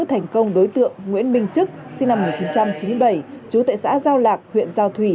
thành công đối tượng nguyễn minh chức sinh năm một nghìn chín trăm chín mươi bảy chú tại xã giao lạc huyện giao thủy